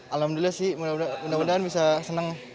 alhamdulillah sih mudah mudahan bisa senang